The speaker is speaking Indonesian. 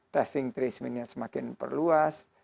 testing tracemen nya semakin perluas